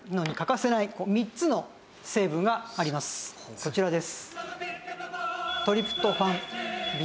こちらです。